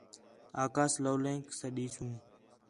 آکھاس لولینک سݙیسوں